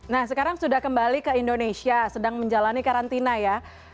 nah sekarang sudah kembali ke indonesia sedang menjalani karantina ya